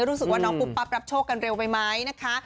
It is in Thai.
รู้สึกว่าน้องปุ๊บปั๊บรับโชคกันเร็วไปไหมนะคะ